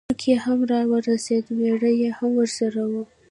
مکۍ هم را ورسېده مېړه یې هم ورسره و.